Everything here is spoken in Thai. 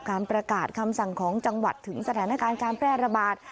การประกาศคำสั่งของจังหวัดถึงสถานการณ์การแพร่ระบาด